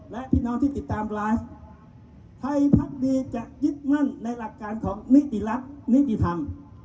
และพี่น้องที่ติดตามไลฟ์ไทยพักดีจะยึดมั่นในหลักการของนิติรัฐนิติธรรม